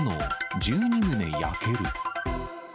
１２棟焼ける。